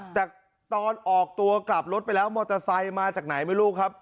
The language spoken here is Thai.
แต่ตอนออกตัวกลับรถไปแล้วมอเตอร์ไซค์มาจากไหนไม่รู้ครับ